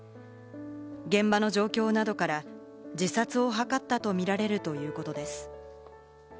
現場の状況などから自殺を図ったとみられるということです。